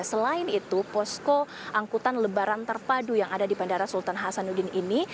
selain itu posko angkutan lebaran terpadu yang ada di bandara sultan hasanuddin ini